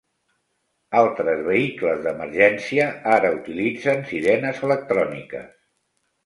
Altres vehicles d'emergència ara utilitzen sirenes electròniques.